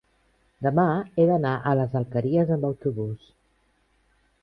Demà he d'anar a les Alqueries amb autobús.